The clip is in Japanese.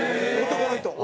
男の人。